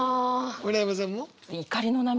村山さんも？